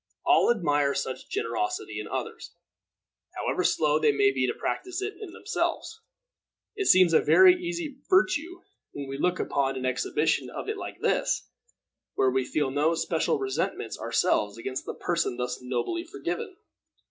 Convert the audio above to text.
All admire such generosity in others, however slow they may be to practice it themselves. It seems a very easy virtue when we look upon an exhibition of it like this, where we feel no special resentments ourselves against the person thus nobly forgiven.